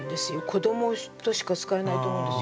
「こども」としか使えないと思うんですよね。